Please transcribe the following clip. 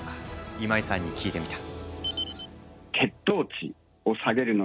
今井さんに聞いてみた。